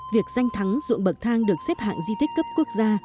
việc danh thắng ruộng bậc thang được xếp hạng di tích cấp quốc gia